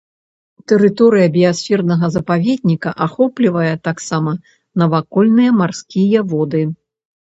Тэрыторыя біясфернага запаведніка ахоплівае таксама навакольныя марскія воды.